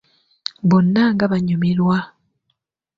Bonna nga banyumirwa!